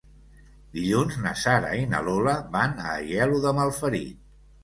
Dilluns na Sara i na Lola van a Aielo de Malferit.